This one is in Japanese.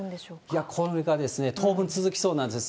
いや、これがですね、当分続きそうなんです。